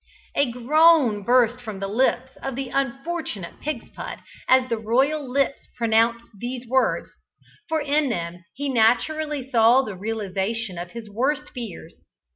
A groan burst from the lips of the unfortunate Pigspud as the royal lips pronounced these words, for in them he naturally saw the realisation of his worst fears.